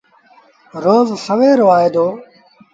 روز سويرو آئي دو۔